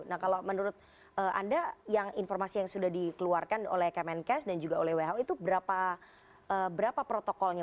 nah kalau menurut anda informasi yang sudah dikeluarkan oleh kemenkes dan juga oleh who itu berapa protokolnya